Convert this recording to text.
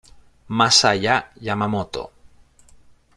Masaya Yamamoto